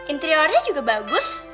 interiornya juga bagus